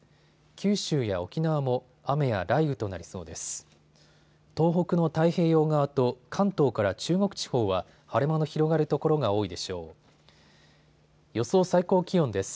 九州や沖縄も雨や雷雨となりそうです。